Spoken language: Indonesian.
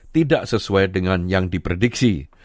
tidak sesuai dengan yang diprediksi